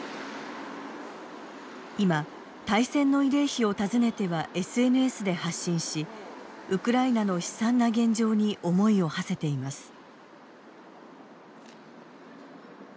今、大戦の慰霊碑を訪ねてはＳＮＳで発信しウクライナの悲惨な現状に思いをはせています。